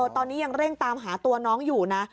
ตอนนี้ยังเร่งตามหาตัวน้องอยู่นะ